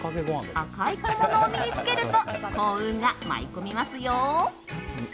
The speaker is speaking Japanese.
赤い小物を身に着けると幸運が舞い込みますよ。